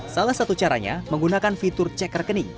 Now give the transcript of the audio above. salah satu caranya menggunakan fitur cek rekening